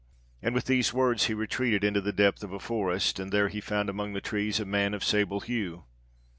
"And with these words he retreated into the depth of a forest, and there he found among the trees a man of sable hue.